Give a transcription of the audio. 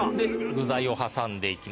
具材を挟んで行きます。